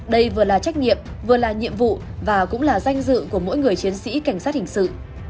đây vừa là trách nhiệm vừa là nhiệm vụ và cũng là danh dự của mỗi người chiến sĩ cảnh sát hình sự